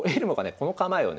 この構えをね